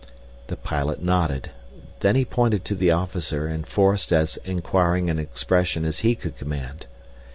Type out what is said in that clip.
The pilot nodded. Then he pointed to the officer and forced as inquiring an expression as he could command.